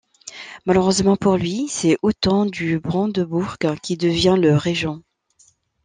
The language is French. Malheureusement pour lui, c’est Othon du Brandebourg qui devient le régent.